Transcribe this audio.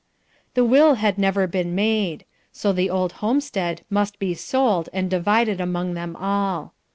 The will had never been made, so the old homestead must be sold and divided among them all.